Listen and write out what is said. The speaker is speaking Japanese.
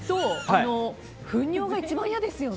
糞尿が一番嫌ですよね。